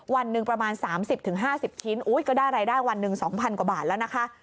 วันหนึ่งประมาณ๓๐๕๐ชิ้นก็ได้รายได้วันหนึ่ง๒๐๐กว่าบาทแล้วนะคะ